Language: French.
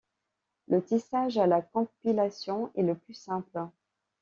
Le tissage à la compilation est le plus simple.